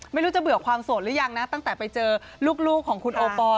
ไม่รู้จะเบื่อความโสดหรือยังนะตั้งแต่ไปเจอลูกของคุณโอปอล